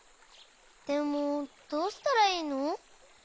でもどうしたらいいの？